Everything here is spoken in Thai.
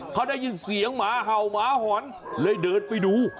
เขาได้ยินเสียงห่าวห่อนเลยเดินไปดู